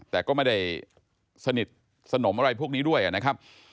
แต่ก็ไม่ได้สนิทสนมอะไรพวกนี้ด้วยนะครับ